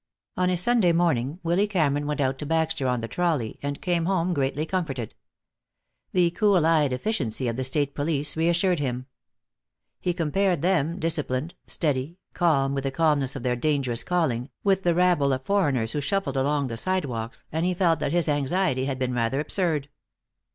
On a Sunday morning Willy Cameron went out to Baxter on the trolley, and came home greatly comforted. The cool eyed efficiency of the state police reassured him. He compared them, disciplined, steady, calm with the calmness of their dangerous calling, with the rabble of foreigners who shuffled along the sidewalks, and he felt that his anxiety had been rather absurd.